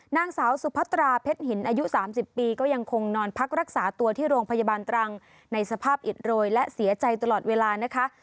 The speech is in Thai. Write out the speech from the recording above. นางสาวสุพัตราเพชรหินอายุ๓๐ปีก็ยังคงนอนพักรักษาตัวที่โรงพยาบาลตรังในสภาพอิดโรยและเสียใจตลอดเวลานะคะ